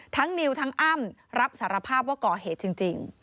นิวทั้งอ้ำรับสารภาพว่าก่อเหตุจริง